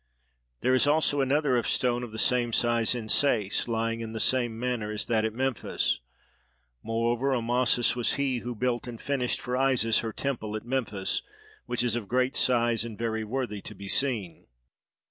There is also another of stone of the same size in Sais, lying in the same manner as that at Memphis. Moreover Amasis was he who built and finished for Isis her temple at Memphis, which is of great size and very worthy to be seen.